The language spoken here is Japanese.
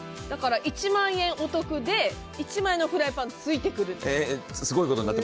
だから１万円お得で１万円のフライパンついてくると。